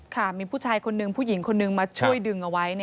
ค่ะมีผู้ชายคนนึงผู้หญิงคนนึงมาช่วยดึงเอาไว้